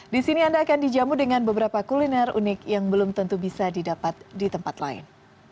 di sini anda akan dijamu dengan beberapa kuliner unik yang belum tentu bisa didapat di tempat lain